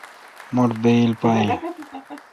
مٹھ بایل پا این۔